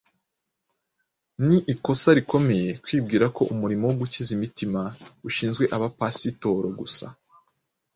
Ni ikosa rikomeye kwibwira ko umurimo wo gukiza imitima ushinzwe abapasitoro gusa.